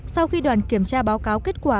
sau khi đoàn kiểm tra báo cáo kết quả